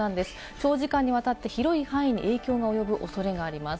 長時間にわたって広い範囲に影響が及ぶ恐れがあります。